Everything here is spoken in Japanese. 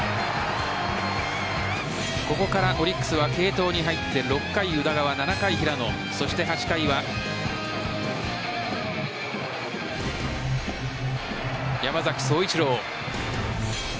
ここからオリックスは継投に入って６回、宇田川７回、平野そして８回は山崎颯一郎。